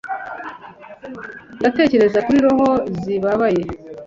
Ndatekereza kuri roho zibabaye